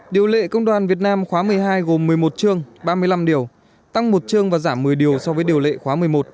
điều lệ công đoàn việt nam khóa một mươi hai gồm một mươi một chương ba mươi năm điều tăng một chương và giảm một mươi điều so với điều lệ khóa một mươi một